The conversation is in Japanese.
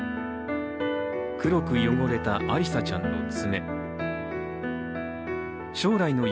黒く汚れたアリサちゃんの爪。